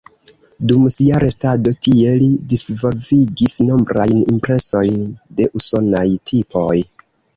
Dum sia restado tie, li disvolvigis nombrajn impresojn de usonaj tipoj.